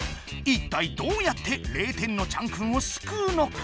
いったいどうやって０点のチャンくんをすくうのか？